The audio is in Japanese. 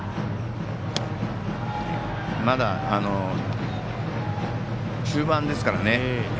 まだ、中盤ですからね。